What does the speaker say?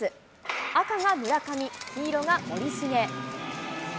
赤が村上、黄色が森重。